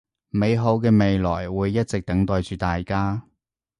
美好嘅未來會一直等待住大家